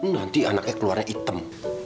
nanti anaknya keluarnya hitam